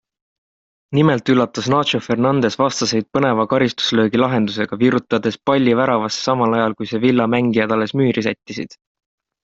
Nimelt üllatas Nacho Fernandez vastaseid põneva karistuslöögilahendusega, virutades palli väravasse samal ajal, kui Sevilla mängijad alles müüri sättisid.